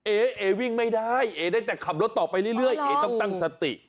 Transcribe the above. เอวิ่งไม่ได้เอ๋ได้แต่ขับรถต่อไปเรื่อยเอ๋ต้องตั้งสติ